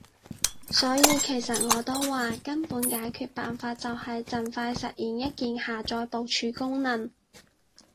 所以其實我都話，根本解決辦法就係儘快實現一鍵下載部署功能